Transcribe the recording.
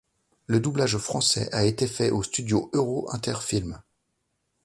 Le doublage français a été fait au Studio Euro Inter Films.